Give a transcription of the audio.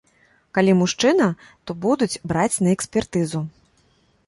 Калі мужчына, то будуць браць на экспертызу.